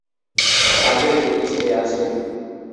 তাদের দুটি ছেলে আছে।